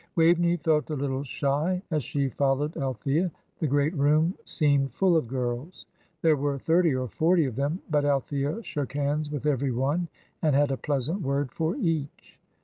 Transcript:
Waveney felt a little shy as she followed Althea. The great room seemed full of girls. There were thirty or forty of them, but Althea shook hands with every one, and had a pleasant word for each.